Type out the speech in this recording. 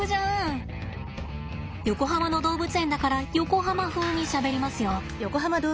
横浜の動物園だから横浜風にしゃべりますよ。